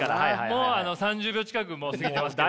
もう３０秒近くもう過ぎてますけど。